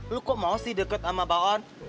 lo kok mau sih deket sama baon